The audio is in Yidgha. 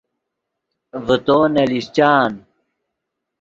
ڤے تو نے لیشچان